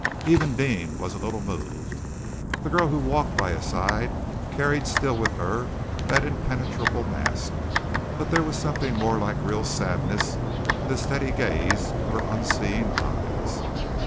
Even Deane was a little moved. The girl who walked by his side carried still with her that impenetrable mask, but there was something more like real sadness in the steady gaze of her unseeing eyes.